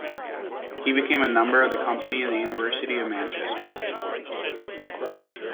He became a number of the company of the University of Manchester